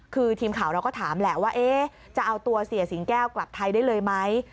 คือทีมข่าวเราก็ถามแหละว่าจะเอาตัวเสียสิงแก้วกลับไทยได้เลยไหม